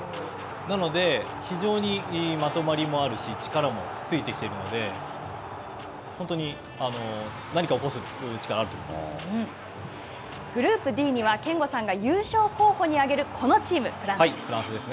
なので、非常にまとまりもあるし、力もついてきているので、本当にグループＤには、憲剛さんが優勝候補に上げるこのチーム、フランスです。